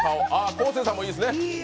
昴生さんもいいですね。